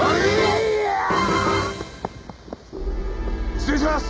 失礼します！